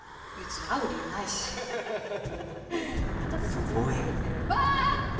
そこへ。